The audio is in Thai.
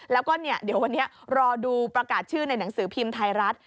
แล้วก็เดี๋ยววันนี้รอดูประกาศชื่อในหนังสือพิมพ์ไทยรัฐ